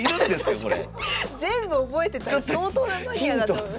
全部覚えてたら相当なマニアだと思いますよ。